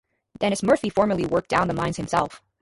Denis Murphy formerly worked down the mines himself.